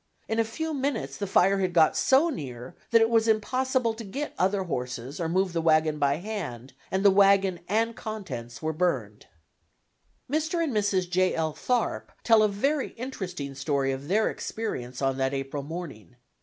In a few minutes the fire had got so near, that it was impossible to get other horses, or move the wagon by hand and the wagon and contents were burned. Mr. and Mrs. J. L. Tharp tell a very interesting story of their experience on that April morning.